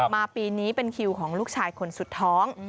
ปีนี้เป็นคิวของลูกชายคนสุดท้อง